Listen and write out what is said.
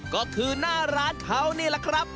ก็คือหน้าร้านเขานี่แหละครับ